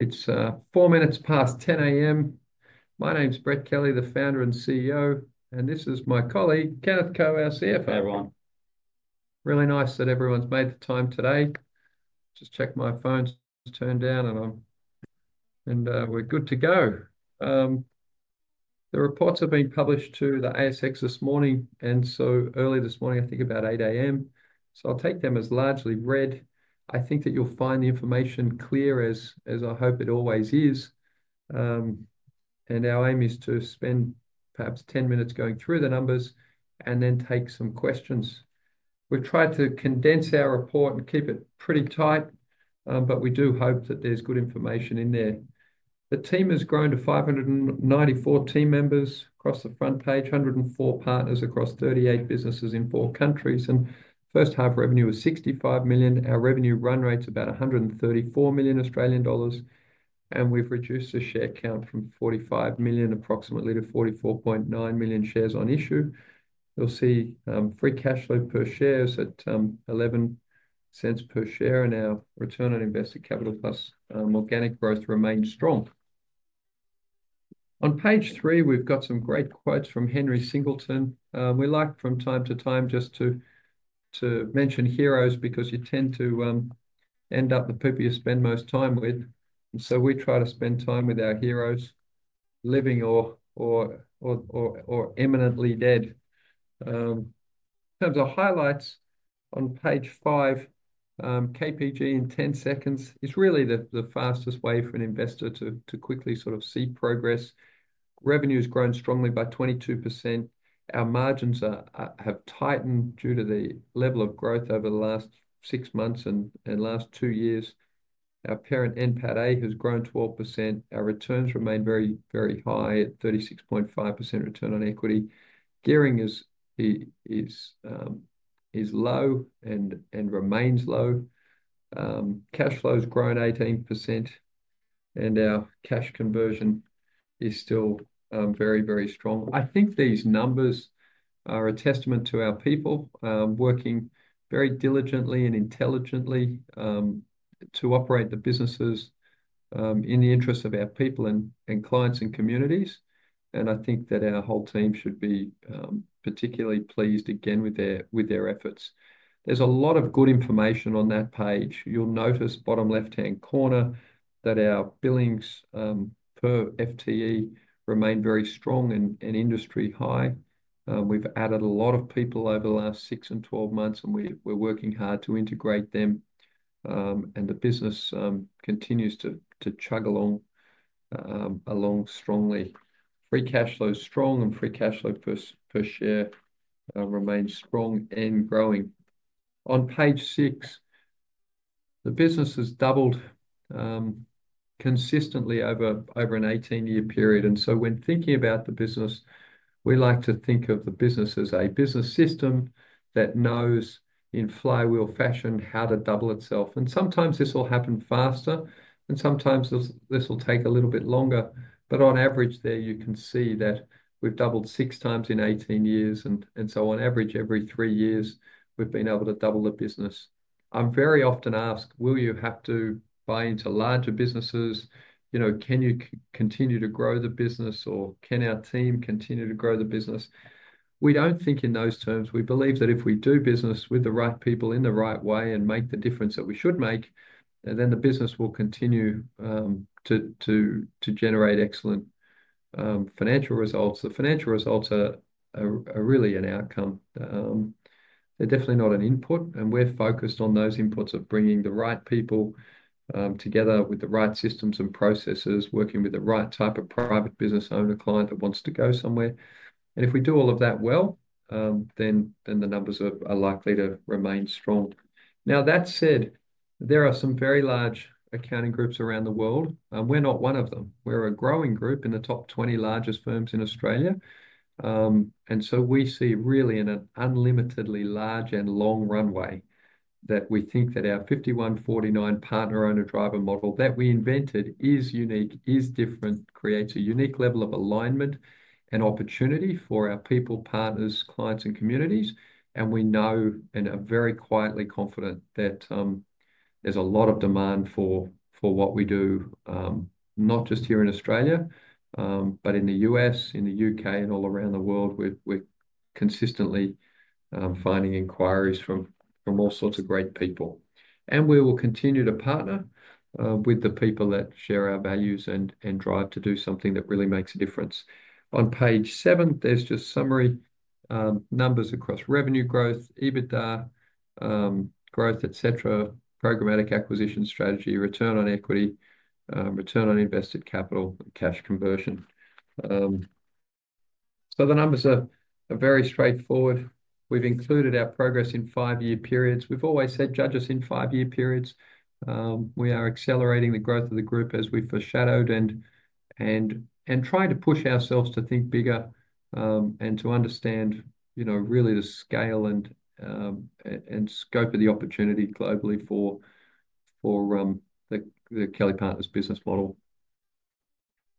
It's 4:00 A.M. My name's Brett Kelly, the Founder and CEO, and this is my colleague Kenneth Ko, our CFO. Hey, everyone. Really nice that everyone's made the time today. Just checked my phone's turned down, and I'm—and we're good to go. The reports have been published to the ASX this morning, and so early this morning, I think about 8:00AM, so I'll take them as largely read. I think that you'll find the information clear as I hope it always is. And our aim is to spend perhaps 10 minutes going through the numbers and then take some questions. We've tried to condense our report and keep it pretty tight, but we do hope that there's good information in there. The team has grown to 594 team members across the front page, 104 partners across 38 businesses in four countries, and first-half revenue was 65 million. Our revenue run rate's about 134 million Australian dollars, and we've reduced the share count from 45 million approximately to 44.9 million shares on issue. You'll see free cash flow per share is at 0.11 per share, and our return on invested capital plus organic growth remains strong. On page three, we've got some great quotes from Henry Singleton. We like, from time to time, just to mention heroes because you tend to end up the people you spend most time with. So we try to spend time with our heroes living or eminently dead. In terms of highlights on page five, KPG in 10 seconds is really the fastest way for an investor to quickly sort of see progress. Revenue has grown strongly by 22%. Our margins have tightened due to the level of growth over the last six months and last two years. Our parent NPATA has grown 12%. Our returns remain very, very high at 36.5% Return on Equity. Gearing is low and remains low. Cash flow has grown 18%, and our cash conversion is still very, very strong. I think these numbers are a testament to our people working very diligently and intelligently to operate the businesses in the interest of our people and clients and communities, and I think that our whole team should be particularly pleased again with their efforts. There's a lot of good information on that page. You'll notice, bottom left-hand corner, that our billings per FTE remain very strong and industry high. We've added a lot of people over the last six and 12 months, and we're working hard to integrate them, and the business continues to chug along strongly. Free cash flow's strong, and free cash flow per share remains strong and growing. On page six, the business has doubled consistently over an 18-year period. And so when thinking about the business, we like to think of the business as a business system that knows in flywheel fashion how to double itself. And sometimes this will happen faster, and sometimes this will take a little bit longer. But on average, there you can see that we've doubled six times in 18 years. And so on average, every three years, we've been able to double the business. I'm very often asked, "Will you have to buy into larger businesses? Can you continue to grow the business? Or can our team continue to grow the business?" We don't think in those terms. We believe that if we do business with the right people in the right way and make the difference that we should make, then the business will continue to generate excellent financial results. The financial results are really an outcome. They're definitely not an input, and we're focused on those inputs of bringing the right people together with the right systems and processes, working with the right type of private business owner client that wants to go somewhere, and if we do all of that well, then the numbers are likely to remain strong. Now, that said, there are some very large accounting groups around the world. We're not one of them. We're a growing group in the top 20 largest firms in Australia, and so we see really an unlimitedly large and long runway that we think that our 51/49 partner owner driver model that we invented is unique, is different, creates a unique level of alignment and opportunity for our people, partners, clients, and communities. We know and are very quietly confident that there's a lot of demand for what we do, not just here in Australia, but in the U.S., in the U.K., and all around the world. We're consistently finding inquiries from all sorts of great people. We will continue to partner with the people that share our values and drive to do something that really makes a difference. On page seven, there's just summary numbers across revenue growth, EBITDA growth, etc., programmatic acquisition strategy, return on equity, return on invested capital, and cash conversion. The numbers are very straightforward. We've included our progress in five-year periods. We've always said, "Judge us in five-year periods." We are accelerating the growth of the group as we foreshadowed and trying to push ourselves to think bigger and to understand really the scale and scope of the opportunity globally for the Kelly Partners business model.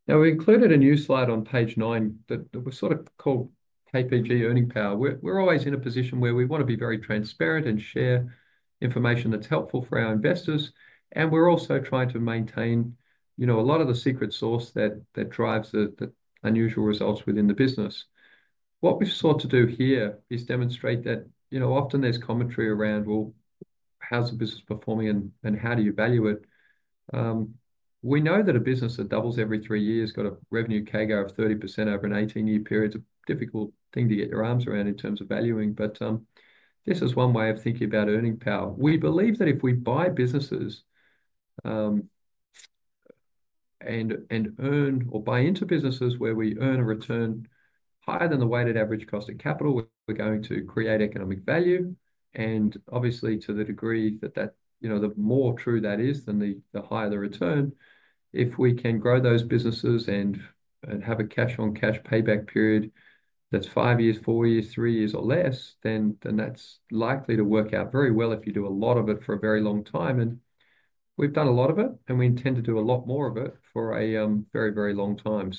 Now, we included a new slide on page nine that we sort of called KPG earning power. We're always in a position where we want to be very transparent and share information that's helpful for our investors. And we're also trying to maintain a lot of the secret sauce that drives the unusual results within the business. What we've sought to do here is demonstrate that often there's commentary around, "Well, how's the business performing, and how do you value it?" We know that a business that doubles every three years got a revenue CAGR of 30% over an 18-year period. It's a difficult thing to get your arms around in terms of valuing, but this is one way of thinking about earning power. We believe that if we buy businesses and earn or buy into businesses where we earn a return higher than the weighted average cost of capital, we're going to create economic value, and obviously, to the degree that the more true that is, then the higher the return. If we can grow those businesses and have a cash-on-cash payback period that's five years, four years, three years, or less, then that's likely to work out very well if you do a lot of it for a very long time, and we've done a lot of it, and we intend to do a lot more of it for a very, very long time.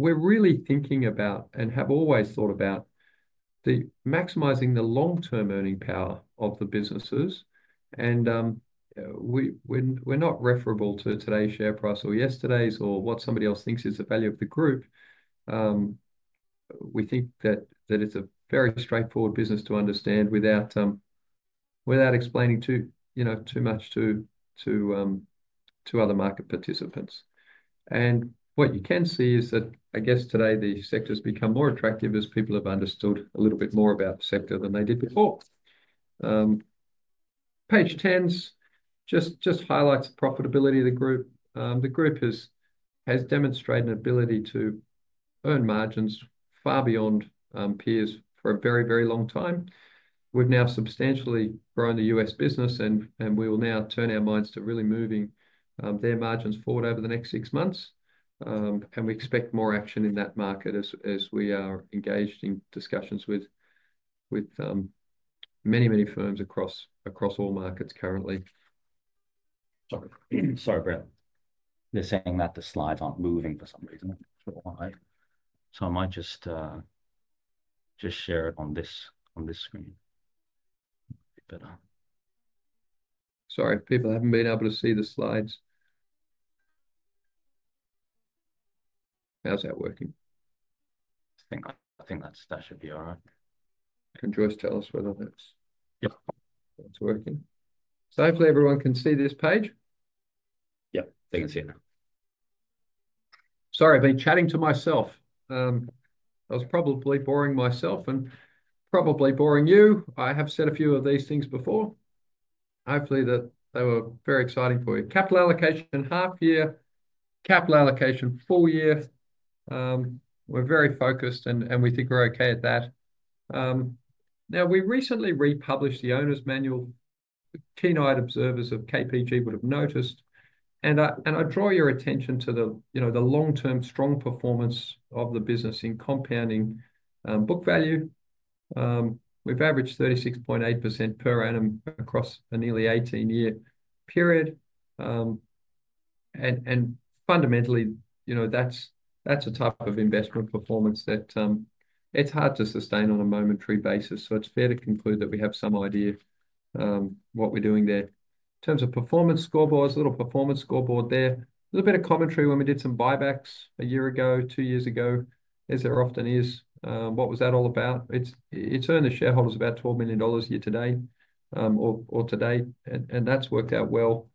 We're really thinking about and have always thought about maximizing the long-term earning power of the businesses. We're not referable to today's share price or yesterday's or what somebody else thinks is the value of the group. We think that it's a very straightforward business to understand without explaining too much to other market participants. What you can see is that, I guess, today the sector's become more attractive as people have understood a little bit more about the sector than they did before. Page 10 just highlights the profitability of the group. The group has demonstrated an ability to earn margins far beyond peers for a very, very long time. We've now substantially grown the U.S. business, and we will now turn our minds to really moving their margins forward over the next six months. We expect more action in that market as we are engaged in discussions with many, many firms across all markets currently. Sorry, Brett, you're saying that the slides aren't moving for some reason. So I might just share it on this screen. Sorry, people haven't been able to see the slides. How's that working? I think that should be all right. Can Joyce tell us whether that's working? So hopefully everyone can see this page. Yep, they can see it now. Sorry, I've been chatting to myself. I was probably boring myself and probably boring you. I have said a few of these things before. Hopefully that they were very exciting for you. Capital allocation half-year, capital allocation full-year. We're very focused, and we think we're okay at that. Now, we recently republished the Owner's Manual. Keen-eyed observers of KPG would have noticed, and I draw your attention to the long-term strong performance of the business in compounding book value. We've averaged 36.8% per annum across a nearly 18-year period, and fundamentally, that's a type of investment performance that it's hard to sustain on a momentary basis, so it's fair to conclude that we have some idea what we're doing there. In terms of performance scoreboards, little performance scoreboard there. A little bit of commentary when we did some buybacks a year ago, two years ago, as there often is. What was that all about? It's earned the shareholders about 12 million dollars year-to-date or today, and that's worked out well.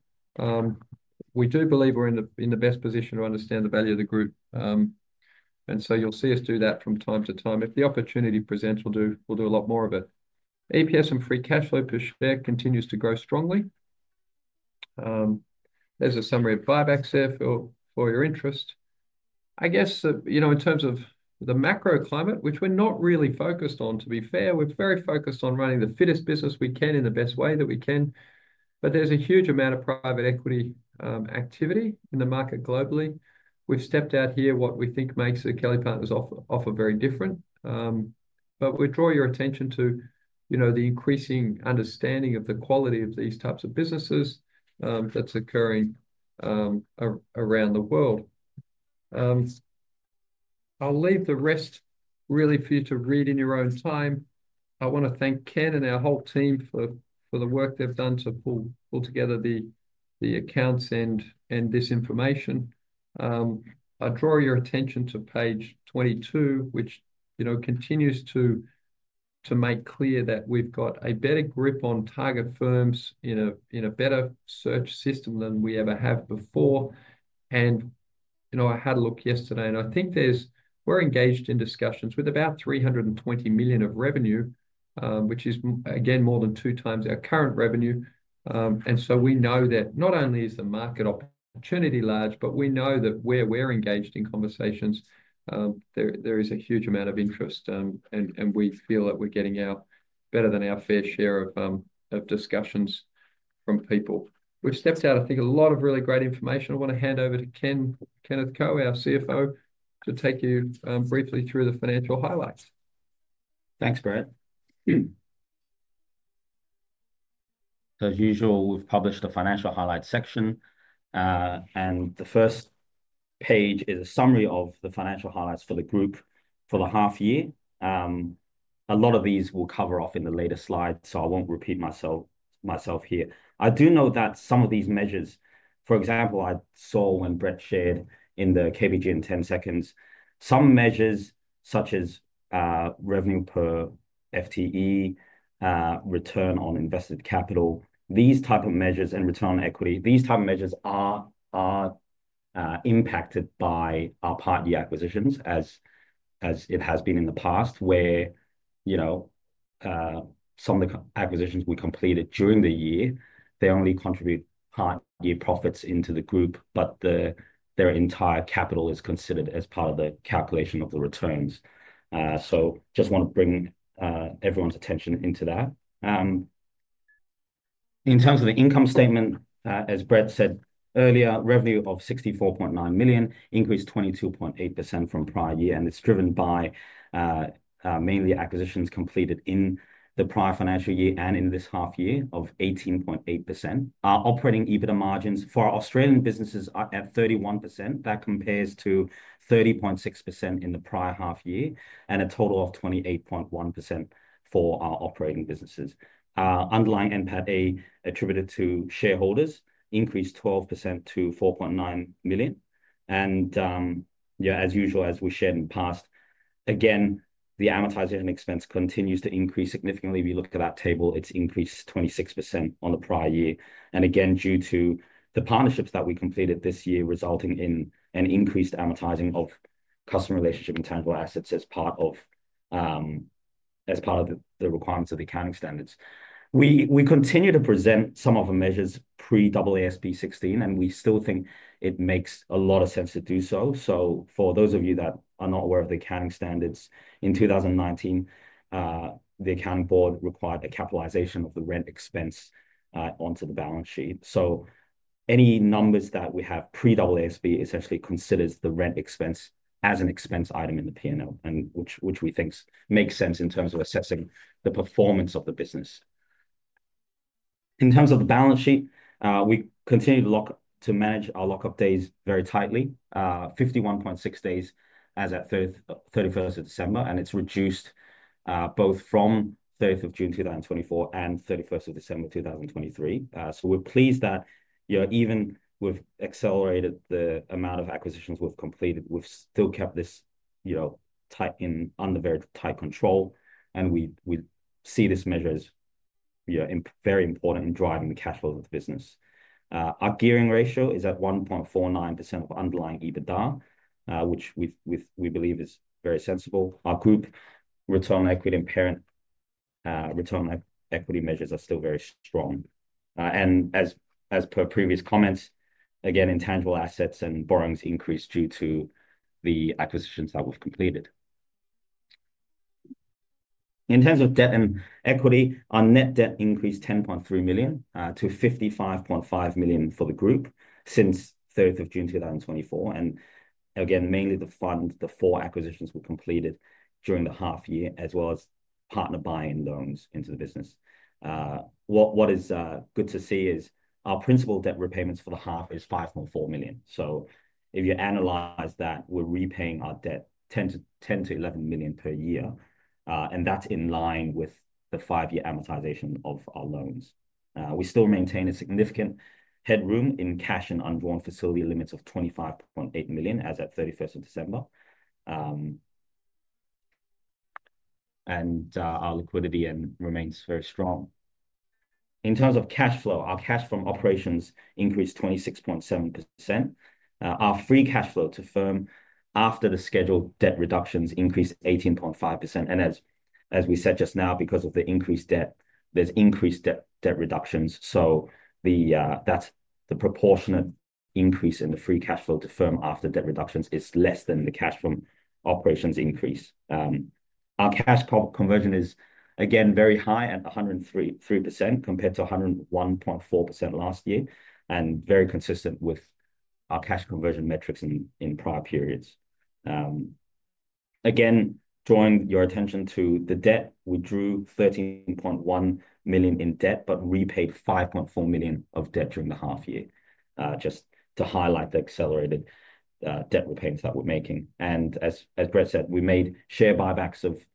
We do believe we're in the best position to understand the value of the group, and so you'll see us do that from time to time. If the opportunity presents, we'll do a lot more of it. EPS and free cash flow per share continues to grow strongly. There's a summary of buyback survey for your interest. I guess in terms of the macro climate, which we're not really focused on, to be fair, we're very focused on running the fittest business we can in the best way that we can, but there's a huge amount of private equity activity in the market globally. We've set out here what we think makes the Kelly Partners offer very different. But we draw your attention to the increasing understanding of the quality of these types of businesses that's occurring around the world. I'll leave the rest really for you to read in your own time. I want to thank Ken and our whole team for the work they've done to pull together the accounts and this information. I draw your attention to page 22, which continues to make clear that we've got a better grip on target firms in a better search system than we ever have before. And I had a look yesterday, and I think we're engaged in discussions with about 320 million of revenue, which is, again, more than two times our current revenue. And so we know that not only is the market opportunity large, but we know that where we're engaged in conversations, there is a huge amount of interest, and we feel that we're getting better than our fair share of discussions from people. We've stepped out, I think, a lot of really great information. I want to hand over to Ken, Kenneth Ko, our CFO, to take you briefly through the financial highlights. Thanks, Brett. As usual, we've published a financial highlight section. The first page is a summary of the financial highlights for the group for the half-year. A lot of these will cover off in the later slide, so I won't repeat myself here. I do know that some of these measures, for example, I saw when Brett shared in the KPG in 10 seconds, some measures such as revenue per FTE, return on invested capital, these type of measures and return on equity, these type of measures are impacted by our part-year acquisitions as it has been in the past, where some of the acquisitions we completed during the year, they only contribute part-year profits into the group, but their entire capital is considered as part of the calculation of the returns. So just want to bring everyone's attention into that. In terms of the income statement, as Brett said earlier, revenue of 64.9 million increased 22.8% from prior year. And it's driven by mainly acquisitions completed in the prior financial year and in this half-year of 18.8%. Our operating EBITDA margins for our Australian businesses are at 31%. That compares to 30.6% in the prior half-year and a total of 28.1% for our operating businesses. Underlying NPATA attributed to shareholders increased 12% to 4.9 million. And as usual, as we shared in the past, again, the amortization expense continues to increase significantly. If you look at that table, it's increased 26% on the prior year. And again, due to the partnerships that we completed this year resulting in an increased amortizing of customer relationship and tangible assets as part of the requirements of the accounting standards. We continue to present some of our measures pre-AASB 16, and we still think it makes a lot of sense to do so. So for those of you that are not aware of the accounting standards, in 2019, the accounting board required a capitalization of the rent expense onto the balance sheet. So any numbers that we have pre-AASB essentially considers the rent expense as an expense item in the P&L, which we think makes sense in terms of assessing the performance of the business. In terms of the balance sheet, we continue to manage our lockup days very tightly, 51.6 days as of 31st of December, and it's reduced both from 30th of June 2024 and 31st of December 2023. We're pleased that even we've accelerated the amount of acquisitions we've completed, we've still kept this under very tight control, and we see this measure as very important in driving the cash flow of the business. Our gearing ratio is at 1.49% of underlying EBITDA, which we believe is very sensible. Our group return on equity and parent return on equity measures are still very strong. As per previous comments, again, intangible assets and borrowings increased due to the acquisitions that we've completed. In terms of debt and equity, our net debt increased 10.3 million-55.5 million for the group since 30th of June 2024. Again, mainly the fund, the four acquisitions we completed during the half-year, as well as partner buying loans into the business. What is good to see is our principal debt repayments for the half is 5.4 million. If you analyze that, we're repaying our debt 10 million-11 million per year, and that's in line with the five-year amortization of our loans. We still maintain a significant headroom in cash and undrawn facility limits of 25.8 million as at 31st of December. Our liquidity remains very strong. In terms of cash flow, our cash from operations increased 26.7%. Our free cash flow to firm after the scheduled debt reductions increased 18.5%. As we said just now, because of the increased debt, there's increased debt reductions. That's the proportionate increase in the free cash flow to firm after debt reductions is less than the cash from operations increase. Our cash conversion is, again, very high at 103% compared to 101.4% last year and very consistent with our cash conversion metrics in prior periods. Again, drawing your attention to the debt, we drew 13.1 million in debt, but repaid 5.4 million of debt during the half-year just to highlight the accelerated debt repayments that we're making. And as Brett said, we made share buybacks of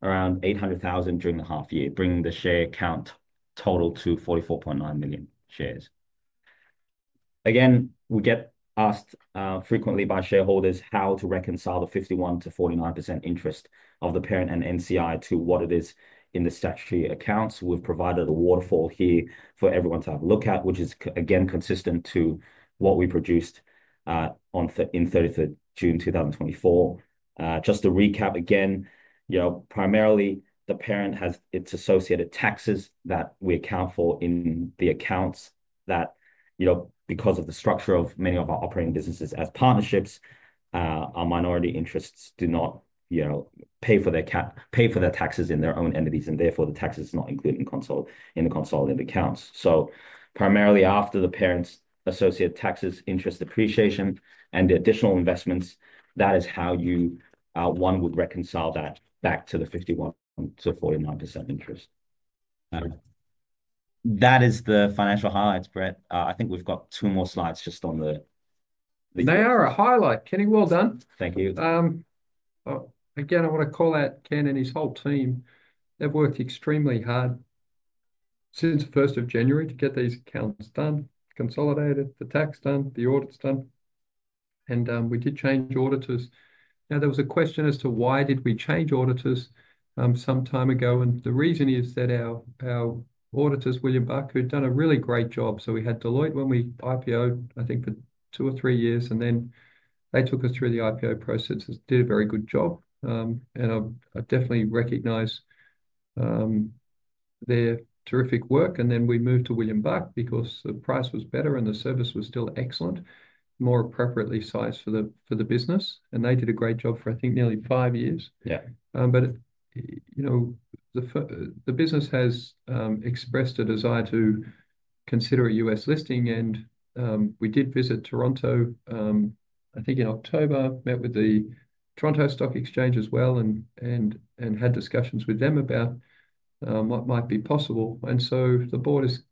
around 800,000 during the half-year, bringing the share count total to 44.9 million shares. Again, we get asked frequently by shareholders how to reconcile the 51%-49% interest of the parent and NCI to what it is in the statutory accounts. We've provided a waterfall here for everyone to have a look at, which is, again, consistent to what we produced in 30th of June 2024. Just to recap again, primarily the parent has its associated taxes that we account for in the accounts, that because of the structure of many of our operating businesses as partnerships, our minority interests do not pay for their taxes in their own entities, and therefore the taxes are not included in the consolidated accounts. So primarily after the parent's associated taxes, interest depreciation, and the additional investments, that is how you would reconcile that back to the 51%-49% interest. That is the financial highlights, Brett. I think we've got two more slides just on the. They are a highlight. Kenny, well done. Thank you. Again, I want to call out Ken and his whole team. They've worked extremely hard since first of January to get these accounts done, consolidated, the tax done, the audits done. And we did change auditors. Now, there was a question as to why did we change auditors some time ago. And the reason is that our auditors, William Buck, who had done a really great job. So we had Deloitte when we IPO, I think, for two or three years, and then they took us through the IPO process, did a very good job. And I definitely recognize their terrific work. And then we moved to William Buck because the price was better and the service was still excellent, more appropriately sized for the business. And they did a great job for, I think, nearly five years. But the business has expressed a desire to consider a U.S. listing. We did visit Toronto, I think, in October, met with the Toronto Stock Exchange as well, and had discussions with them about what might be possible. So the board is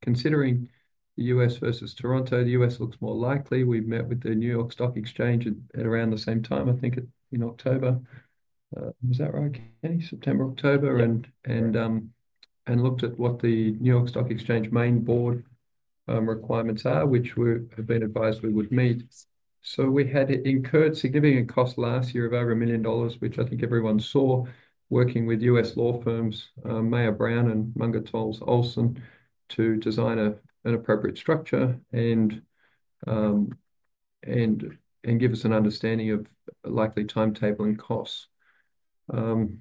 considering the U.S. versus Toronto. The U.S. looks more likely. We met with the New York Stock Exchange at around the same time, I think, in October. Was that right, Kenny? September, October. And looked at what the New York Stock Exchange main board requirements are, which we have been advised we would meet. So we had incurred significant costs last year of over 1 million dollars, which I think everyone saw working with U.S. law firms, Mayer Brown and Munger, Tolles & Olson, to design an appropriate structure and give us an understanding of likely timetable and costs. In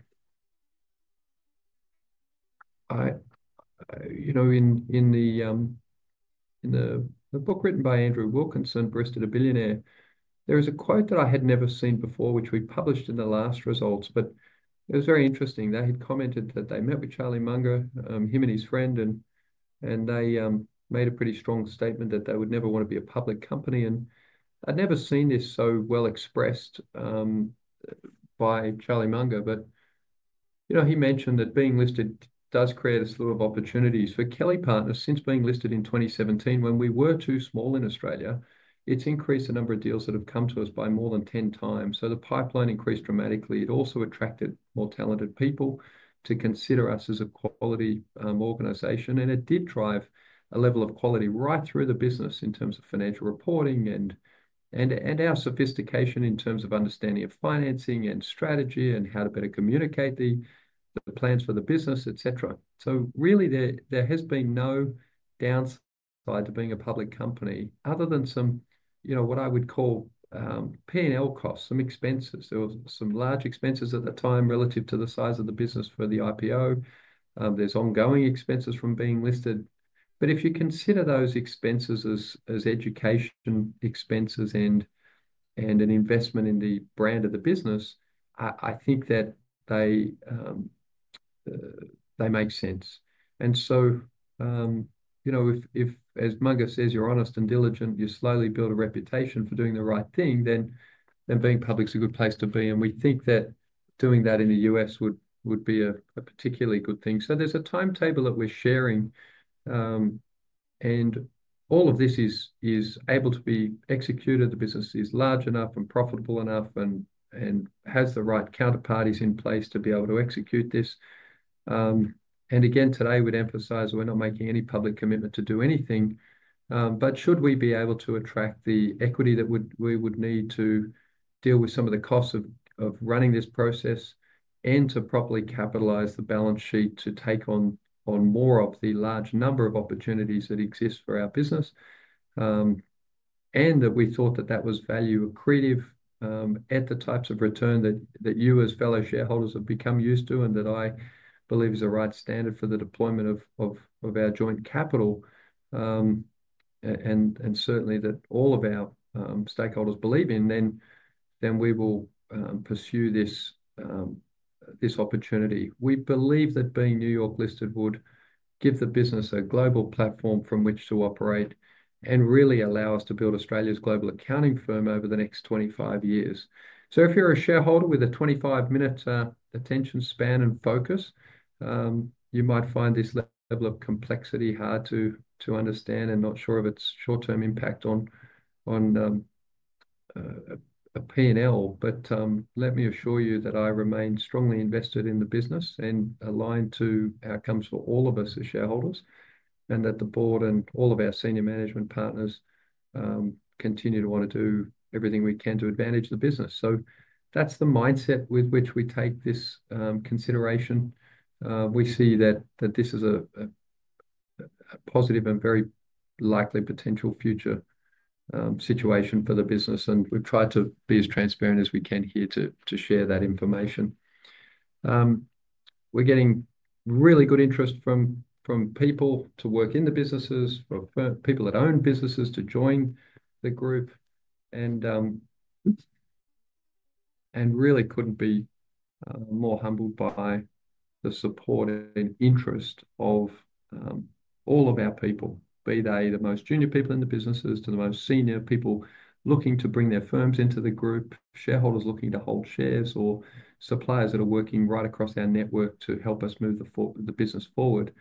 the book written by Andrew Wilkinson, Never Enough: From Barista to Billionaire, there is a quote that I had never seen before, which we published in the last results, but it was very interesting. They had commented that they met with Charlie Munger, him and his friend, and they made a pretty strong statement that they would never want to be a public company. And I'd never seen this so well expressed by Charlie Munger, but he mentioned that being listed does create a slew of opportunities. For Kelly Partners, since being listed in 2017, when we were too small in Australia, it's increased the number of deals that have come to us by more than 10x. So the pipeline increased dramatically. It also attracted more talented people to consider us as a quality organization. It did drive a level of quality right through the business in terms of financial reporting and our sophistication in terms of understanding of financing and strategy and how to better communicate the plans for the business, etc. Really, there has been no downside to being a public company other than somewhat I would call P&L costs, some expenses. There were some large expenses at the time relative to the size of the business for the IPO. There's ongoing expenses from being listed. If you consider those expenses as education expenses and an investment in the brand of the business, I think that they make sense. If, as Munger says, you're honest and diligent, you slowly build a reputation for doing the right thing, then being public is a good place to be. And we think that doing that in the U.S. would be a particularly good thing. So there's a timetable that we're sharing. And all of this is able to be executed. The business is large enough and profitable enough and has the right counterparties in place to be able to execute this. And again, today, we'd emphasize we're not making any public commitment to do anything. But should we be able to attract the equity that we would need to deal with some of the costs of running this process and to properly capitalize the balance sheet to take on more of the large number of opportunities that exist for our business? And we thought that that was value accretive at the types of return that you as fellow shareholders have become used to and that I believe is a right standard for the deployment of our joint capital and certainly that all of our stakeholders believe in. Then we will pursue this opportunity. We believe that being New York listed would give the business a global platform from which to operate and really allow us to build Australia's global accounting firm over the next 25 years. So if you're a shareholder with a 25-minute attention span and focus, you might find this level of complexity hard to understand and not sure of its short-term impact on a P&L. But let me assure you that I remain strongly invested in the business and aligned to outcomes for all of us as shareholders and that the board and all of our senior management partners continue to want to do everything we can to advantage the business. So that's the mindset with which we take this consideration. We see that this is a positive and very likely potential future situation for the business. And we've tried to be as transparent as we can here to share that information. We're getting really good interest from people to work in the businesses, from people that own businesses to join the group. And really couldn't be more humbled by the support and interest of all of our people, be they the most junior people in the businesses to the most senior people looking to bring their firms into the group, shareholders looking to hold shares, or suppliers that are working right across our network to help us move the business forward.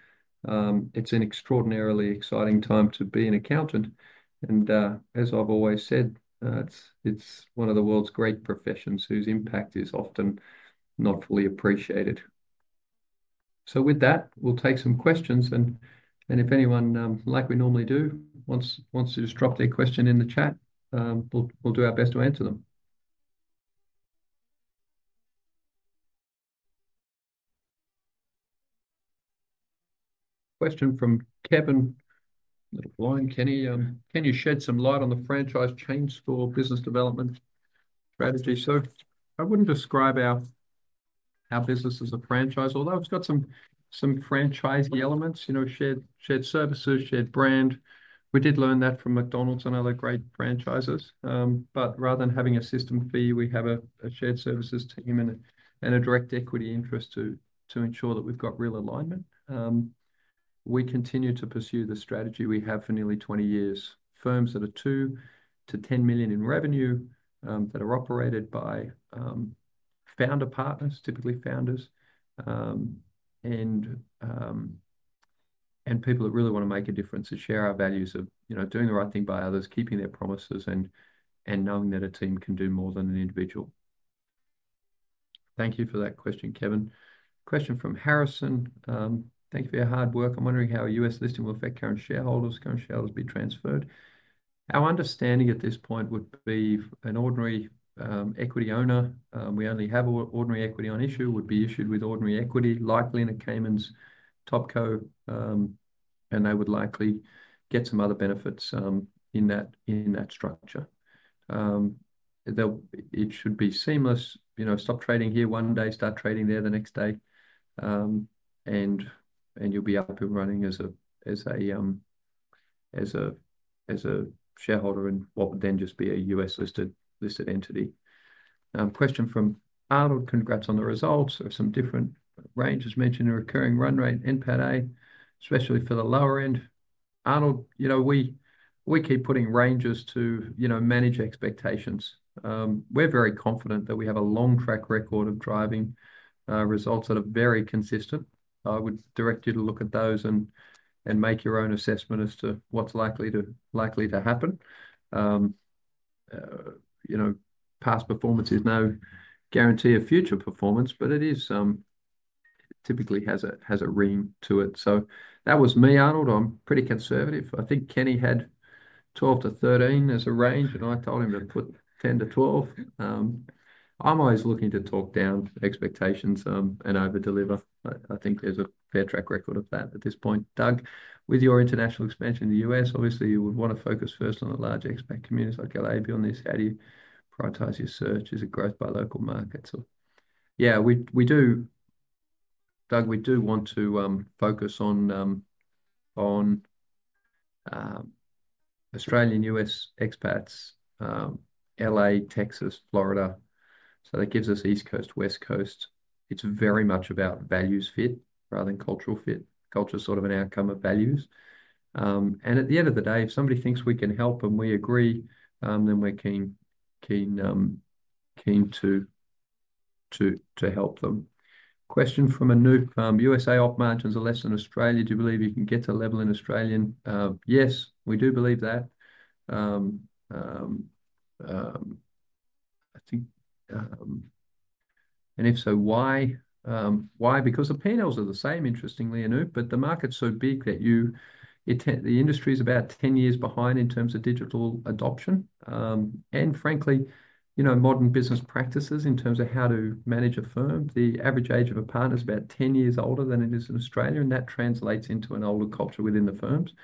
It's an extraordinarily exciting time to be an accountant. And as I've always said, it's one of the world's great professions whose impact is often not fully appreciated. So with that, we'll take some questions. And if anyone, like we normally do, wants to just drop their question in the chat, we'll do our best to answer them. Question from Kevin. Kenny, can you shed some light on the franchise strategy for business development strategy? I wouldn't describe our business as a franchise, although it's got some franchisee elements, shared services, shared brand. We did learn that from McDonald's and other great franchises. But rather than having a system fee, we have a shared services team and a direct equity interest to ensure that we've got real alignment. We continue to pursue the strategy we have for nearly 20 years, firms that are 2 million-10 million in revenue that are operated by founder partners, typically founders, and people that really want to make a difference and share our values of doing the right thing by others, keeping their promises, and knowing that a team can do more than an individual. Thank you for that question, Kevin. Question from Harrison. Thank you for your hard work. I'm wondering how U.S. listing will affect current shareholders. Current shareholders be transferred? Our understanding at this point would be an ordinary equity owner. We only have ordinary equity on issue, would be issued with ordinary equity, likely in a Cayman's Topco, and they would likely get some other benefits in that structure. It should be seamless. Stop trading here one day, start trading there the next day, and you'll be up and running as a shareholder and what would then just be a U.S.-listed entity. Question from Arnold. Congrats on the results. There are some different ranges mentioned in recurring run rate and P/E especially for the lower end. Arnold, we keep putting ranges to manage expectations. We're very confident that we have a long track record of driving results that are very consistent. I would direct you to look at those and make your own assessment as to what's likely to happen. Past performance is no guarantee of future performance, but it typically has a ring to it. So that was me, Arnold. I'm pretty conservative. I think Kenny had 12-13 as a range, and I told him to put 10-12. I'm always looking to talk down expectations and overdeliver. I think there's a fair track record of that at this point. Doug, with your international expansion in the U.S., obviously, you would want to focus first on the large expat communities like LA beyond this. How do you prioritize your search? Is it growth by local markets? Yeah, Doug, we do want to focus on Australian U.S. expats, LA, Texas, Florida. So that gives us East Coast, West Coast. It's very much about values fit rather than cultural fit. Culture is sort of an outcome of values. And at the end of the day, if somebody thinks we can help and we agree, then we're keen to help them. Question from Anup. U.S. operating margins are less than Australia. Do you believe you can get to level in Australia? Yes, we do believe that. And if so, why? Why? Because the P&Ls are the same, interestingly, Anup, but the market's so big that the industry is about 10 years behind in terms of digital adoption. And frankly, modern business practices in terms of how to manage a firm. The average age of a partner is about 10 years older than it is in Australia, and that translates into an older culture within the firms.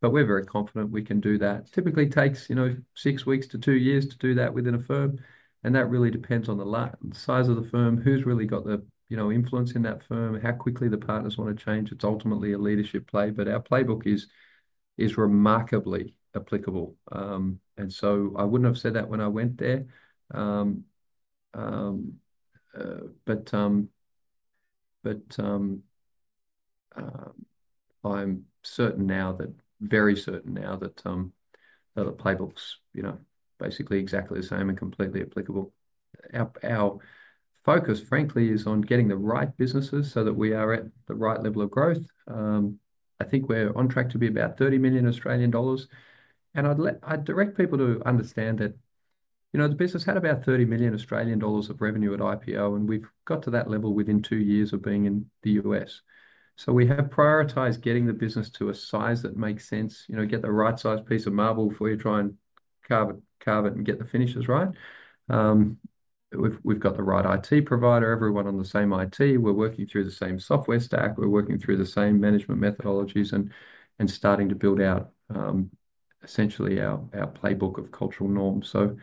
But we're very confident we can do that. Typically, it takes six weeks to two years to do that within a firm. That really depends on the size of the firm, who's really got the influence in that firm, how quickly the partners want to change. It's ultimately a leadership play, but our playbook is remarkably applicable. And so I wouldn't have said that when I went there. But I'm certain now, very certain now, that the playbook's basically exactly the same and completely applicable. Our focus, frankly, is on getting the right businesses so that we are at the right level of growth. I think we're on track to be about 30 million Australian dollars. And I'd direct people to understand that the business had about 30 million Australian dollars of revenue at IPO, and we've got to that level within two years of being in the U.S. We have prioritized getting the business to a size that makes sense, get the right size piece of marble before you try and carve it and get the finishes right. We've got the right IT provider, everyone on the same IT. We're working through the same software stack. We're working through the same management methodologies and starting to build out essentially our playbook of cultural norms, so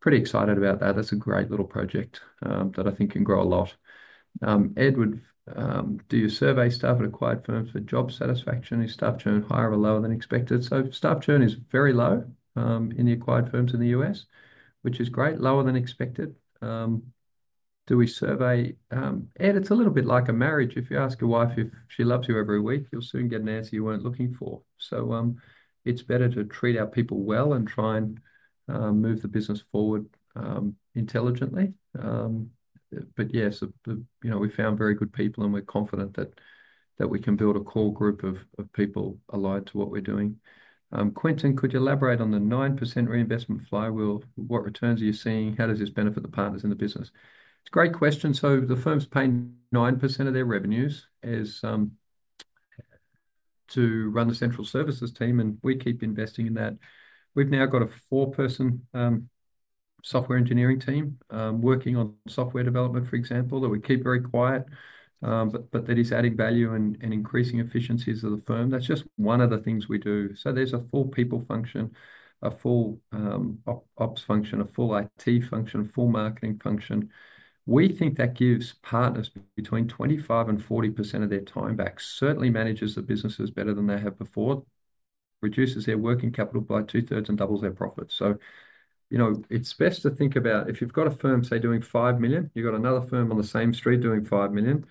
pretty excited about that. That's a great little project that I think can grow a lot. Edward, do you survey staff at acquired firms for job satisfaction? Is staff churn higher or lower than expected? Staff churn is very low in the acquired firms in the U.S., which is great, lower than expected. Do we survey? Ed, it's a little bit like a marriage. If you ask your wife if she loves you every week, you'll soon get an answer you weren't looking for. So it's better to treat our people well and try and move the business forward intelligently. But yes, we found very good people, and we're confident that we can build a core group of people aligned to what we're doing. Quinton, could you elaborate on the 9% reinvestment flywheel? What returns are you seeing? How does this benefit the partners in the business? It's a great question. So the firms pay 9% of their revenues to run the central services team, and we keep investing in that. We've now got a four-person software engineering team working on software development, for example, that we keep very quiet, but that is adding value and increasing efficiencies of the firm. That's just one of the things we do. There's a full people function, a full ops function, a full IT function, a full marketing function. We think that gives partners between 25%-40% of their time back, certainly manages the businesses better than they have before, reduces their working capital by two-thirds and doubles their profits. It's best to think about if you've got a firm, say, doing 5 million, you've got another firm on the same street doing 5 million.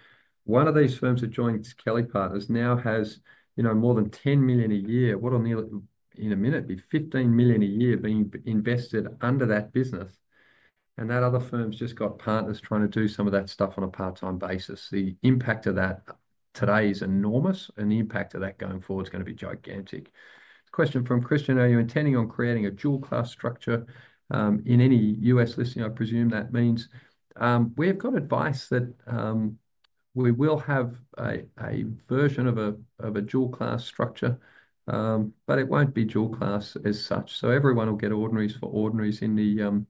One of these firms that joins Kelly Partners now has more than 10 million a year. What will in a minute be 15 million a year being invested under that business? And that other firm's just got partners trying to do some of that stuff on a part-time basis. The impact of that today is enormous, and the impact of that going forward is going to be gigantic. Question from Christian. Are you intending on creating a dual-class structure in any U.S. listing? I presume that means we have got advice that we will have a version of a dual-class structure, but it won't be dual-class as such. So everyone will get ordinaries for ordinaries in the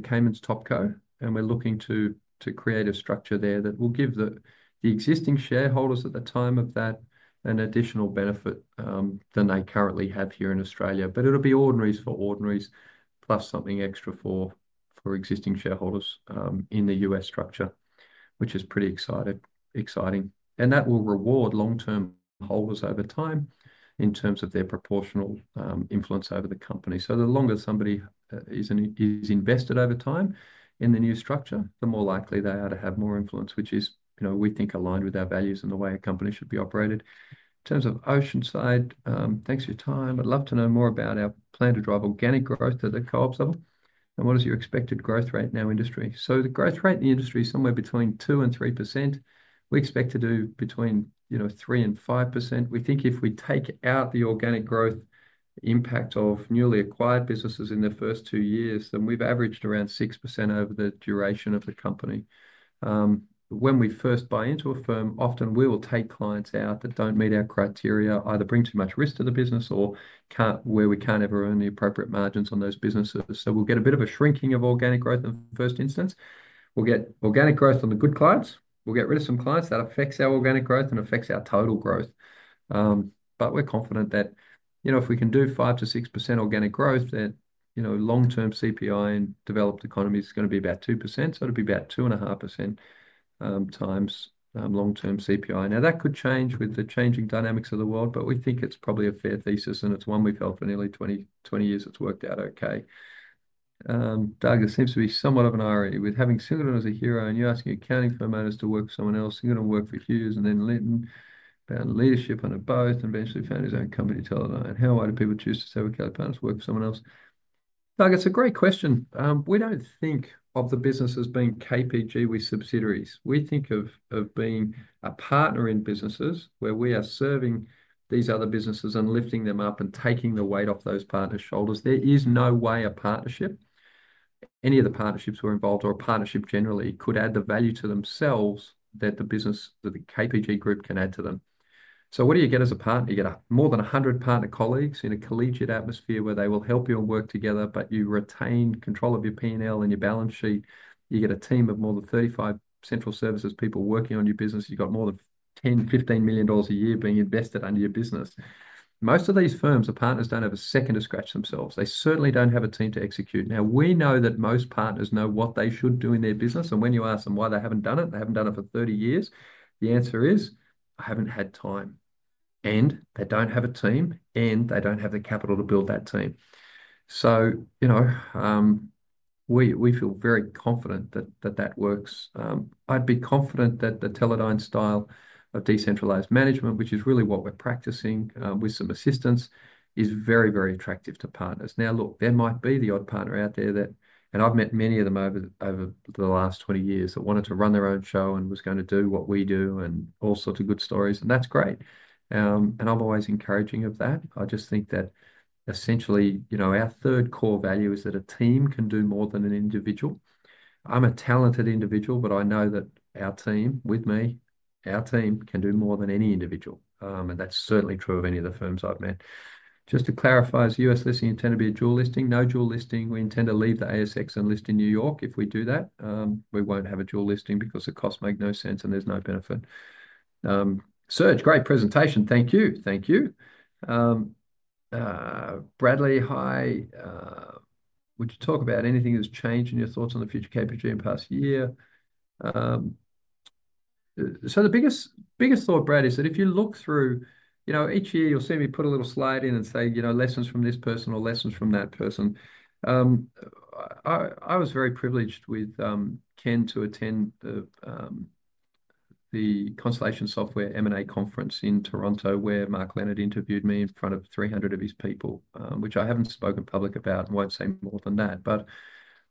Cayman's Topco. And we're looking to create a structure there that will give the existing shareholders at the time of that an additional benefit than they currently have here in Australia. But it'll be ordinaries for ordinaries, plus something extra for existing shareholders in the U.S. structure, which is pretty exciting. And that will reward long-term holders over time in terms of their proportional influence over the company. So the longer somebody is invested over time in the new structure, the more likely they are to have more influence, which we think aligned with our values and the way a company should be operated. In terms of Oceanside, thanks for your time. I'd love to know more about our plan to drive organic growth at the co-op level, and what is your expected growth rate in our industry? The growth rate in the industry is somewhere between 2% and 3%. We expect to do between 3% and 5%. We think if we take out the organic growth impact of newly acquired businesses in the first two years, then we've averaged around 6% over the duration of the company. When we first buy into a firm, often we will take clients out that don't meet our criteria, either bring too much risk to the business or where we can't ever earn the appropriate margins on those businesses. We'll get a bit of a shrinking of organic growth in the first instance. We'll get organic growth on the good clients. We'll get rid of some clients that affects our organic growth and affects our total growth, but we're confident that if we can do 5%-6% organic growth, then long-term CPI and developed economy is going to be about 2%, so it'll be about 2.5% times long-term CPI. Now, that could change with the changing dynamics of the world, but we think it's probably a fair thesis, and it's one we've held for nearly 20 years. It's worked out okay. Doug, there seems to be somewhat of an irony with having Singleton as a hero and you asking accounting firm owners to work with someone else. You're going to work for Hughes and then Litton found leadership on it both and eventually found his own company to Teledyne. How are the people choosing to work with accounting firms to work with someone else? Doug, it's a great question. We don't think of the business as being KPG with subsidiaries. We think of being a partner in businesses where we are serving these other businesses and lifting them up and taking the weight off those partners' shoulders. There is no way a partnership, any of the partnerships who are involved or a partnership generally could add the value to themselves that the business, the KPG group can add to them. So what do you get as a partner? You get more than 100 partner colleagues in a collegiate atmosphere where they will help you and work together, but you retain control of your P&L and your balance sheet. You get a team of more than 35 central services people working on your business. You've got more than 10 million-15 million dollars a year being invested under your business. Most of these firms, the partners don't have a second to scratch themselves. They certainly don't have a team to execute. Now, we know that most partners know what they should do in their business. And when you ask them why they haven't done it, they haven't done it for 30 years, the answer is, "I haven't had time." And they don't have a team, and they don't have the capital to build that team. So we feel very confident that that works. I'd be confident that the Teledyne style of decentralized management, which is really what we're practicing with some assistance, is very, very attractive to partners. Now, look, there might be the odd partner out there that, and I've met many of them over the last 20 years that wanted to run their own show and was going to do what we do and all sorts of good stories. And that's great. And I'm always encouraging of that. I just think that essentially our third core value is that a team can do more than an individual. I'm a talented individual, but I know that our team with me, our team can do more than any individual. And that's certainly true of any of the firms I've met. Just to clarify, is U.S. listing intended to be a dual listing? No dual listing. We intend to leave the ASX and list in New York. If we do that, we won't have a dual listing because the cost makes no sense and there's no benefit. Sir, great presentation. Thank you. Thank you. Bradley, hi. Would you talk about anything that's changed in your thoughts on the future KPG in the past year? The biggest thought, Brad, is that if you look through each year, you'll see me put a little slide in and say, "Lessons from this person or lessons from that person." I was very privileged with Ken to attend the Constellation Software M&A Conference in Toronto where Mark Leonard interviewed me in front of 300 of his people, which I haven't spoken publicly about and won't say more than that. But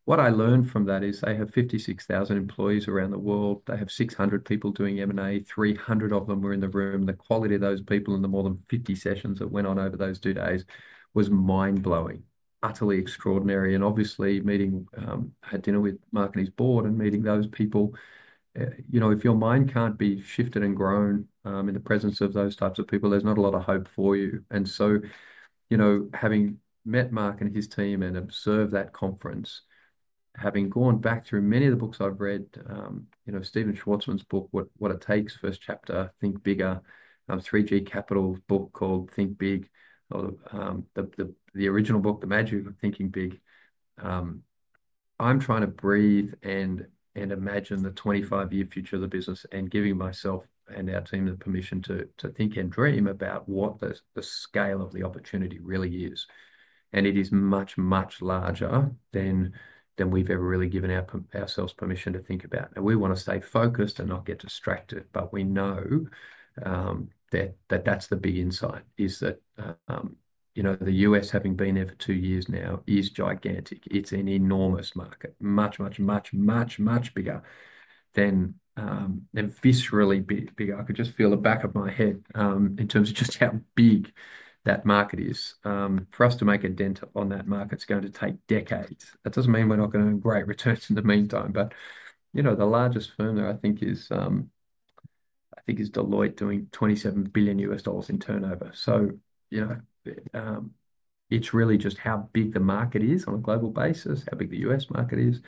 what I learned from that is they have 56,000 employees around the world. They have 600 people doing M&A. 300 of them were in the room. The quality of those people and the more than 50 sessions that went on over those two days was mind-blowing, utterly extraordinary. And obviously, I had dinner with Mark and his board and meeting those people. If your mind can't be shifted and grown in the presence of those types of people, there's not a lot of hope for you. And so having met Mark and his team and observed that conference, having gone back through many of the books I've read, Stephen Schwarzman's book, What It Takes, first chapter, Think Bigger, 3G Capital's book called Think Big, the original book, The Magic of Thinking Big. I'm trying to breathe and imagine the 25-year future of the business and giving myself and our team the permission to think and dream about what the scale of the opportunity really is. And it is much, much larger than we've ever really given ourselves permission to think about. And we want to stay focused and not get distracted. But we know that that's the big insight is that the U.S., having been there for two years now, is gigantic. It's an enormous market, much, much, much, much, much bigger than viscerally bigger. I could just feel the back of my head in terms of just how big that market is. For us to make a dent on that market, it's going to take decades. That doesn't mean we're not going to have great returns in the meantime. But the largest firm that I think is Deloitte doing $27 billion in turnover. So it's really just how big the market is on a global basis, how big the U.S. market is,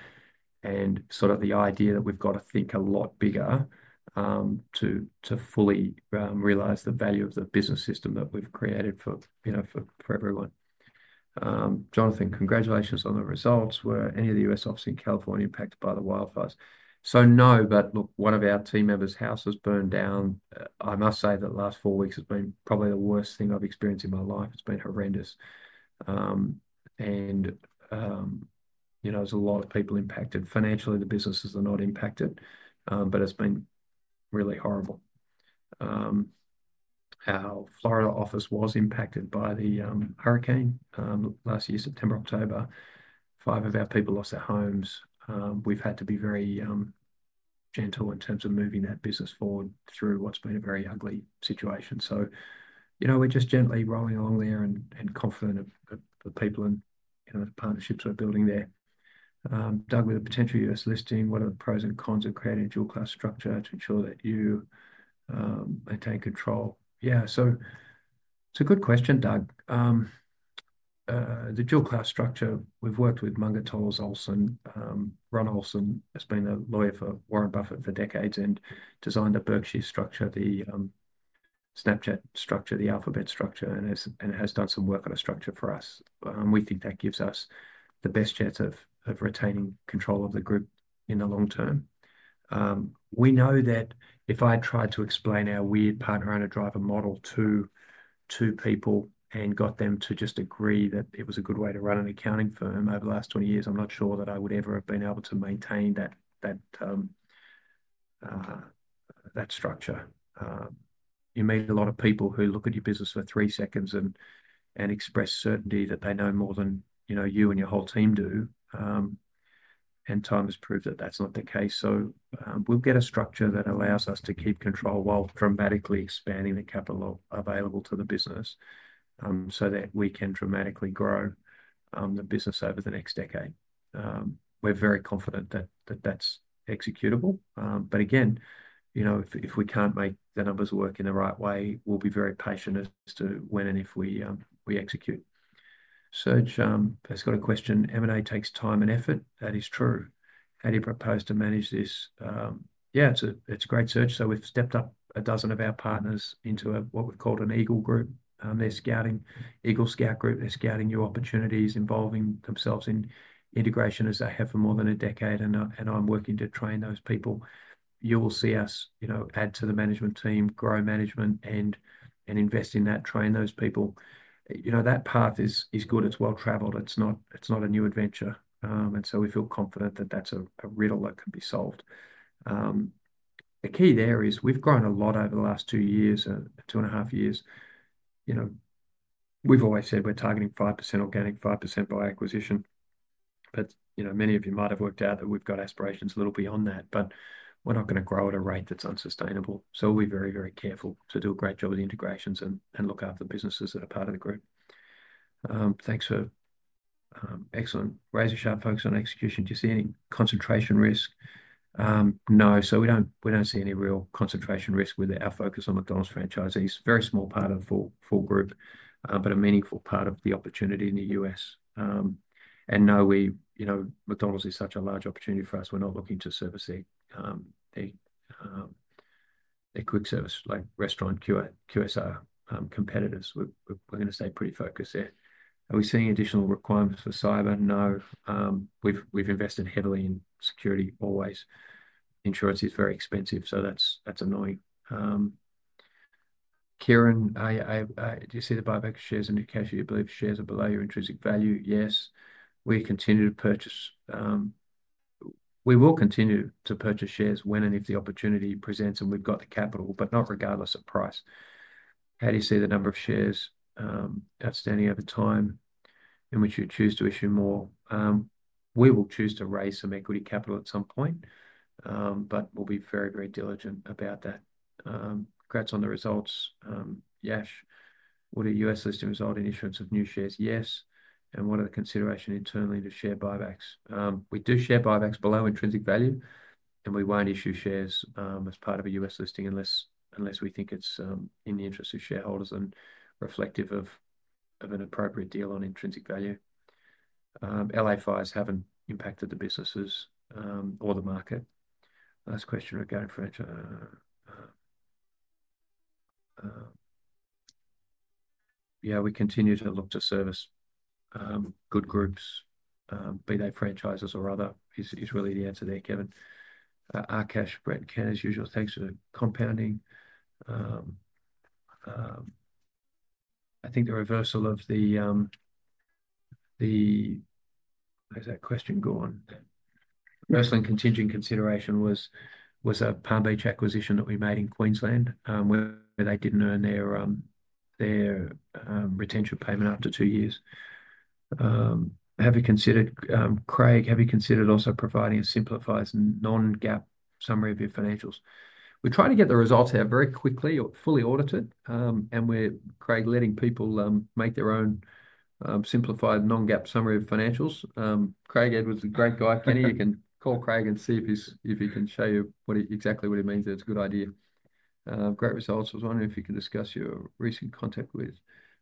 and sort of the idea that we've got to think a lot bigger to fully realize the value of the business system that we've created for everyone. Jonathan, congratulations on the results. Were any of the U.S. offices in California impacted by the wildfires? So no, but look, one of our team members' houses burned down. I must say that last four weeks has been probably the worst thing I've experienced in my life. It's been horrendous. And there's a lot of people impacted. Financially, the businesses are not impacted, but it's been really horrible. Our Florida office was impacted by the hurricane last year, September, October. Five of our people lost their homes. We've had to be very gentle in terms of moving that business forward through what's been a very ugly situation. So we're just gently rolling along there and confident of the people and the partnerships we're building there. Doug, with the potential U.S. listing, what are the pros and cons of creating a dual-class structure to ensure that you maintain control? Yeah. So it's a good question, Doug. The dual-class structure, we've worked with Munger, Tolles & Olson. Ron Olson has been a lawyer for Warren Buffett for decades and designed a Berkshire structure, the Snapchat structure, the Alphabet structure, and has done some work on a structure for us. We think that gives us the best chance of retaining control of the group in the long term. We know that if I tried to explain our weird partner-owner-driver model to two people and got them to just agree that it was a good way to run an accounting firm over the last 20 years, I'm not sure that I would ever have been able to maintain that structure. You meet a lot of people who look at your business for three seconds and express certainty that they know more than you and your whole team do, and time has proved that that's not the case. We'll get a structure that allows us to keep control while dramatically expanding the capital available to the business so that we can dramatically grow the business over the next decade. We're very confident that that's executable. But again, if we can't make the numbers work in the right way, we'll be very patient as to when and if we execute. Serge has got a question. M&A takes time and effort. That is true. How do you propose to manage this? Yeah, it's a great Serge. So we've stepped up a dozen of our partners into what we've called an Eagle Group. They're scouting new opportunities involving themselves in integration as they have for more than a decade. And I'm working to train those people. You will see us add to the management team, grow management, and invest in that, train those people. That path is good. It's well-traveled. It's not a new adventure, and so we feel confident that that's a riddle that can be solved. The key there is we've grown a lot over the last two years, two and a half years. We've always said we're targeting 5% organic, 5% by acquisition, but many of you might have worked out that we've got aspirations a little beyond that, but we're not going to grow at a rate that's unsustainable. So we'll be very, very careful to do a great job with integrations and look after the businesses that are part of the group. Thanks for excellent. Praise your sharp focus on execution. Do you see any concentration risk? No. So we don't see any real concentration risk with our focus on McDonald's franchises. Very small part of the full group, but a meaningful part of the opportunity in the U.S. No, McDonald's is such a large opportunity for us. We're not looking to service their quick service like restaurant QSR competitors. We're going to stay pretty focused there. Are we seeing additional requirements for cyber? No. We've invested heavily in security always. Insurance is very expensive. That's annoying. Kieran, do you see the buyback of shares in your cash? You believe shares are below your intrinsic value? Yes. We continue to purchase. We will continue to purchase shares when and if the opportunity presents, and we've got the capital, but not regardless of price. How do you see the number of shares outstanding over time in which you choose to issue more? We will choose to raise some equity capital at some point, but we'll be very, very diligent about that. Congrats on the results. Yash, would a U.S. listing result in issuance of new shares? Yes. And what are the considerations internally to share buybacks? We do share buybacks below intrinsic value, and we won't issue shares as part of a U.S. listing unless we think it's in the interest of shareholders and reflective of an appropriate deal on intrinsic value. LA fires haven't impacted the businesses or the market. Last question regarding franchise. Yeah, we continue to look to service good groups, be they franchises or other, is really the answer there, Kevin. Our cash, Brett and Ken, as usual. Thanks for the compounding. I think the reversal of the, how's that question going? [Riesling] contingent consideration was a Palm Beach acquisition that we made in Queensland where they didn't earn their retention payment after two years. Have you considered, Craig, also providing a simplified non-GAAP summary of your financials? We're trying to get the results out very quickly or fully audited. We're, Craig, letting people make their own simplified non-GAAP summary of financials. Craig Edwards is a great guy. Kenny, you can call Craig and see if he can show you exactly what he means. It's a good idea. Great results. I was wondering if you could discuss your recent contact with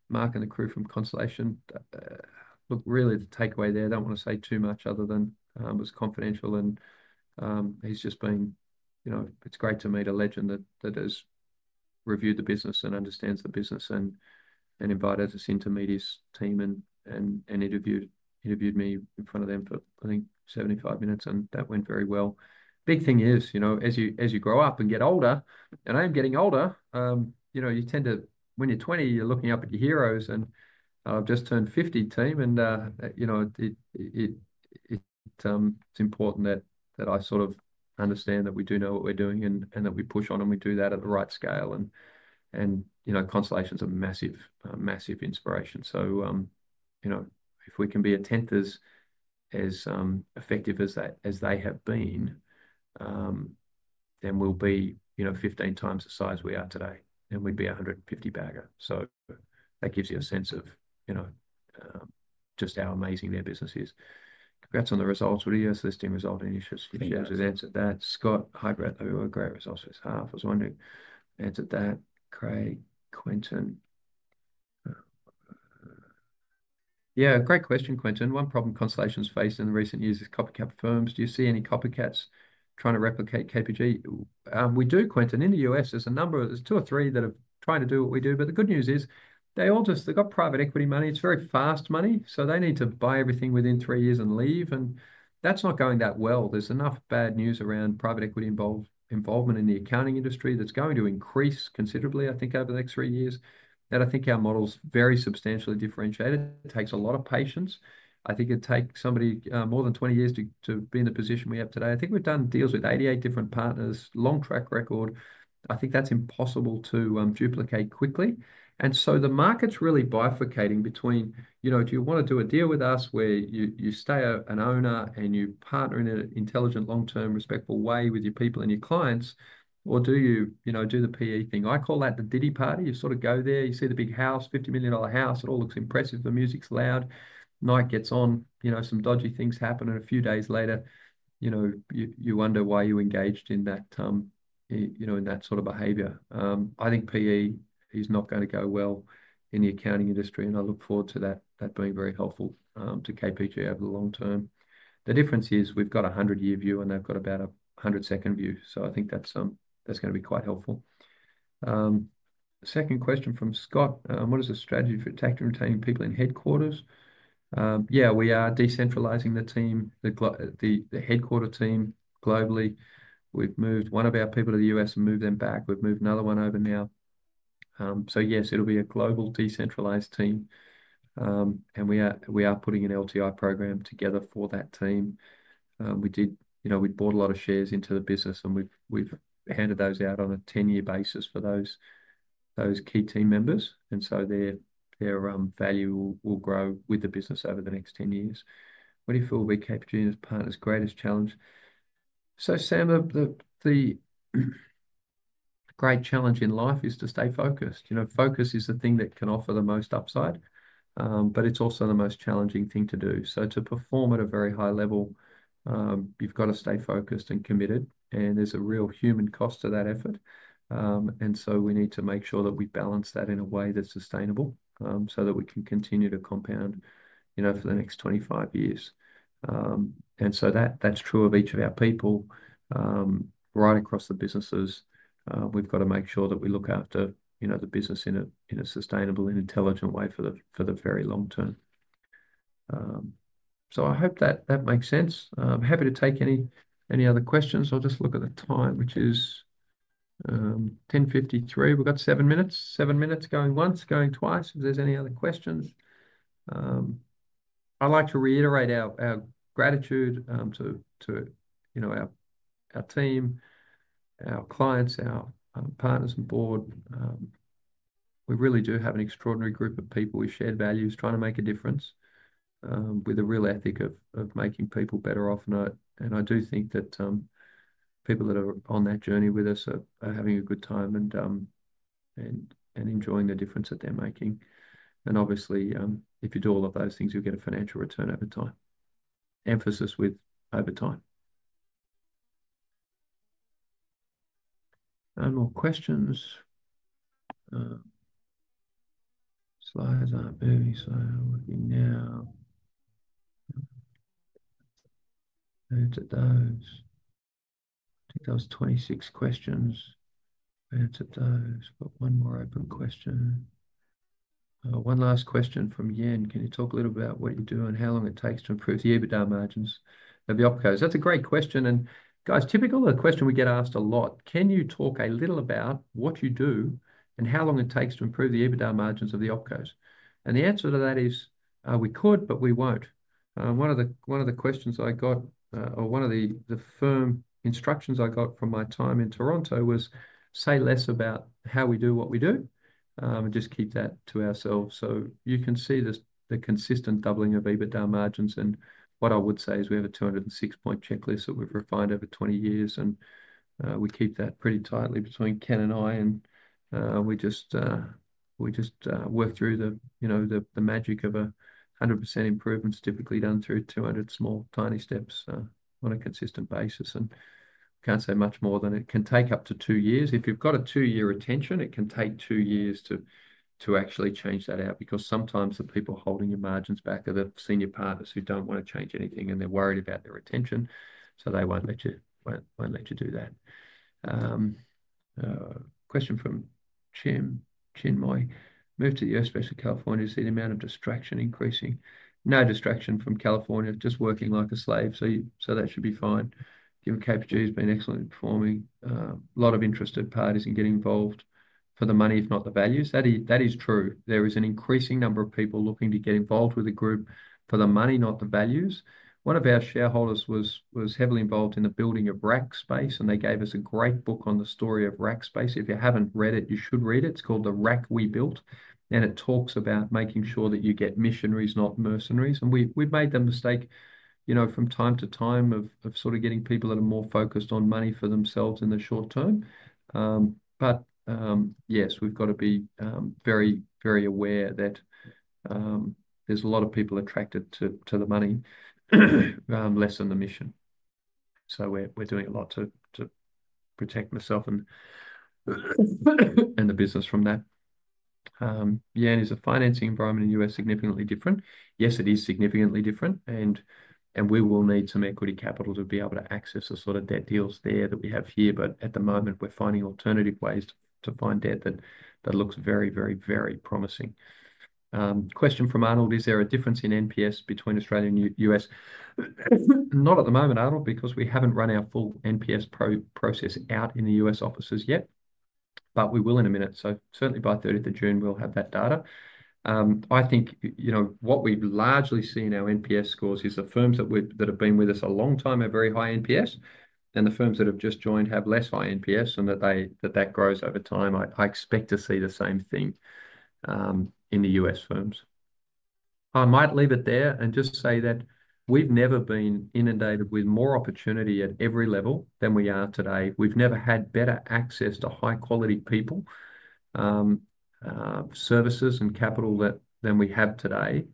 Mark and the crew from Constellation. Look, really, the takeaway there, I don't want to say too much other than it was confidential, and he's just been, it's great to meet a legend that has reviewed the business and understands the business and invited us into Mark's team and interviewed me in front of them for, I think, 75 minutes, and that went very well. Big thing is, as you grow up and get older, and I am getting older, you tend to, when you're 20, you're looking up at your heroes, and I've just turned 50, team. It's important that I sort of understand that we do know what we're doing and that we push on, and we do that at the right scale. Constellation's a massive, massive inspiration. If we can be as effective as they have been, then we'll be 15 times the size we are today, and we'd be a 150 bagger. That gives you a sense of just how amazing their business is. Congrats on the results. Would a U.S. listing result in issues? Yes, we've answered that. Scott, hi, Brett. We were great results for this half. I was wondering, answered that. Craig, Quinton. Yeah, great question, Quinton. One problem Constellation's faced in the recent years is copycat firms. Do you see any copycats trying to replicate KPG? We do, Quinton. In the U.S., there's a number of, there's two or three that are trying to do what we do. But the good news is they've got private equity money. It's very fast money. So they need to buy everything within three years and leave. And that's not going that well. There's enough bad news around private equity involvement in the accounting industry that's going to increase considerably, I think, over the next three years. And I think our model's very substantially differentiated. It takes a lot of patience. I think it'd take somebody more than 20 years to be in the position we have today. I think we've done deals with 88 different partners, long track record. I think that's impossible to duplicate quickly. And so the market's really bifurcating between if you want to do a deal with us where you stay an owner and you partner in an intelligent, long-term, respectful way with your people and your clients, or do you do the PE thing? I call that the Diddy party. You sort of go there. You see the big house, $50 million house. It all looks impressive. The music's loud. The night gets on. Some dodgy things happen. And a few days later, you wonder why you engaged in that sort of behavior. I think PE is not going to go well in the accounting industry, and I look forward to that being very helpful to KPG over the long term. The difference is we've got a 100-year view, and they've got about a 100-second view. So I think that's going to be quite helpful. Second question from Scott. What is the strategy for attracting and retaining people in headquarters? Yeah, we are decentralizing the team, the headquarters team globally. We've moved one of our people to the U.S. and moved them back. We've moved another one over now. Yes, it'll be a global decentralized team. And we are putting an LTI program together for that team. We bought a lot of shares into the business, and we've handed those out on a 10-year basis for those key team members. And so their value will grow with the business over the next 10 years. What do you feel will be KPG and its partners' greatest challenge? So Sam, the great challenge in life is to stay focused. Focus is the thing that can offer the most upside, but it's also the most challenging thing to do. So to perform at a very high level, you've got to stay focused and committed. And there's a real human cost to that effort. And so we need to make sure that we balance that in a way that's sustainable so that we can continue to compound for the next 25 years. And so that's true of each of our people right across the businesses. We've got to make sure that we look after the business in a sustainable and intelligent way for the very long term. So I hope that makes sense. Happy to take any other questions. I'll just look at the time, which is 10:53AM. We've got seven minutes. Seven minutes going once, going twice. If there's any other questions, I'd like to reiterate our gratitude to our team, our clients, our partners, and board. We really do have an extraordinary group of people. We share values, trying to make a difference with a real ethic of making people better off. And I do think that people that are on that journey with us are having a good time and enjoying the difference that they're making. Obviously, if you do all of those things, you'll get a financial return over time. Emphasis with over time. No more questions. Slides aren't moving, so I'll look at them now. Answer those. I think that was 26 questions. Answer those. Got one more open question. One last question from Yen. Can you talk a little about what you do and how long it takes to improve the EBITDA margins of the OpCos? That's a great question. And guys, typical of a question we get asked a lot. Can you talk a little about what you do and how long it takes to improve the EBITDA margins of the OpCos? And the answer to that is we could, but we won't. One of the questions I got, or one of the firm instructions I got from my time in Toronto was, "say less about how we do what we do and just keep that to ourselves." So you can see the consistent doubling of EBITDA margins. And what I would say is we have a 206-point checklist that we've refined over 20 years. And we keep that pretty tightly between Ken and I. And we just work through the magic of a 100% improvement's typically done through 200 small, tiny steps on a consistent basis. And I can't say much more than it can take up to two years. If you've got a two-year retention, it can take two years to actually change that out because sometimes the people holding your margins back are the senior partners who don't want to change anything, and they're worried about their retention. So they won't let you do that. Question from Jim. Move to the U.S., especially California. See the amount of distraction increasing. No distraction from California. Just working like a slave. So that should be fine. Given KPG has been excellent at performing. A lot of interested parties in getting involved for the money, if not the values. That is true. There is an increasing number of people looking to get involved with the group for the money, not the values. One of our shareholders was heavily involved in the building of Rackspace, and they gave us a great book on the story of Rackspace. If you haven't read it, you should read it. It's called The Rack We Built. And it talks about making sure that you get missionaries, not mercenaries. We've made the mistake from time to time of sort of getting people that are more focused on money for themselves in the short term. But yes, we've got to be very, very aware that there's a lot of people attracted to the money less than the mission. So we're doing a lot to protect myself and the business from that. Yeah, and is the financing environment in the U.S. significantly different? Yes, it is significantly different. And we will need some equity capital to be able to access the sort of debt deals there that we have here. But at the moment, we're finding alternative ways to find debt that looks very, very, very promising. Question from Arnold. Is there a difference in NPS between Australia and U.S.? Not at the moment, Arnold, because we haven't run our full NPS process out in the U.S. offices yet. But we will in a minute. So certainly by 30th of June, we'll have that data. I think what we've largely seen in our NPS scores is the firms that have been with us a long time have very high NPS, and the firms that have just joined have less high NPS, and that grows over time. I expect to see the same thing in the U.S. firms. I might leave it there and just say that we've never been inundated with more opportunity at every level than we are today. We've never had better access to high-quality people, services, and capital than we have today.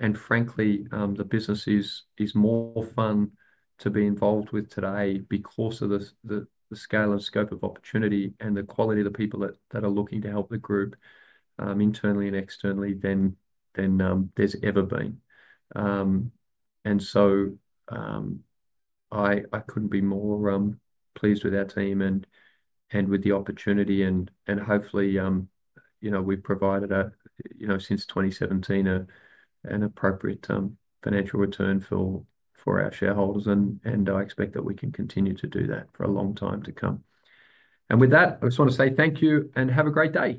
And frankly, the business is more fun to be involved with today because of the scale and scope of opportunity and the quality of the people that are looking to help the group internally and externally than there's ever been. And so I couldn't be more pleased with our team and with the opportunity. And hopefully, we've provided since 2017 an appropriate financial return for our shareholders. And I expect that we can continue to do that for a long time to come. And with that, I just want to say thank you and have a great day.